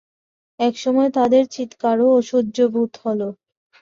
এক সময় তাদের চিৎকারও অসহ্য বােধ হল।